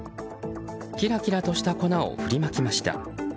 キラキラとした粉を振りまきました。